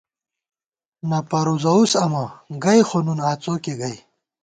نہ پروزَوُس امہ ، گئ خو نُن، آڅوکےگئ